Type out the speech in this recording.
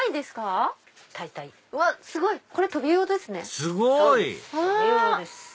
すごい！